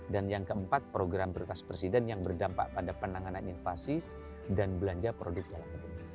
dan yang keempat program birokrasi presiden yang berdampak pada penanganan inflasi dan belanja produk dalam kebun